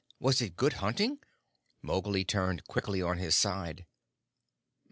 Was it good hunting?" Mowgli turned quickly on his side.